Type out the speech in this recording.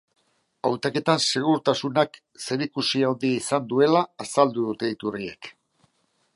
Hautaketan segurtasunak zerikusi handia izan duela azaldu dute iturriek.